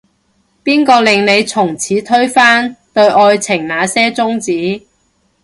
邊個令你從此推翻，對愛情那些宗旨